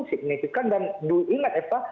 signifikan dan ingat eva